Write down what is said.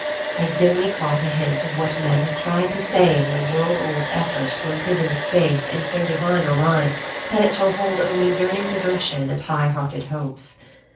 I dimly caught a hint of what men have tried to say in their world old effort to imprison a space in so divine a line that it shall hold only yearning devotion and high hearted hopes.